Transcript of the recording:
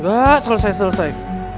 gak selesai selesai